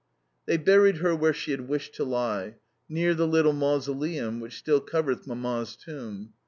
They buried her where she had wished to lie near the little mausoleum which still covers Mamma's tomb.